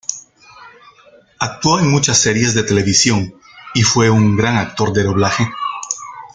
Actuó en muchas series de televisión y fue un gran actor de doblaje.